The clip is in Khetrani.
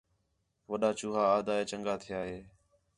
وݙّا چوہا آہدا ہِِے چَنڳا تِھیا ہِے